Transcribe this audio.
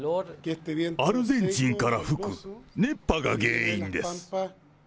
アルゼンチンから吹く熱波が原因です。